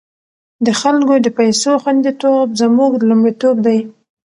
د خلکو د پيسو خوندیتوب زموږ لومړیتوب دی۔